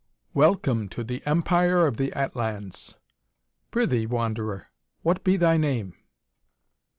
"Welcome to the Empire of the Atlans. Prithee, Wanderer, what be thy name?"